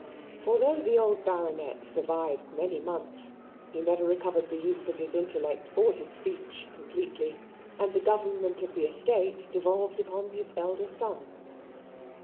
For though the old Baronet survived many months, he never recovered the use of his intellect or his speech completely, and the government of the estate devolved upon his elder son.